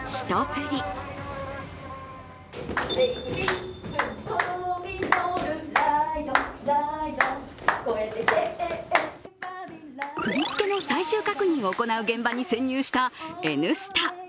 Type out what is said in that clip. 振り付けの最終確認を行う現場に潜入した「Ｎスタ」。